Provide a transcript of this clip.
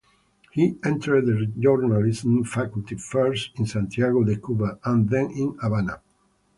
He entered the journalism faculty first in Santiago de Cuba and then in Havana.